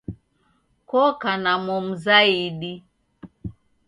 Koka na momu zaidi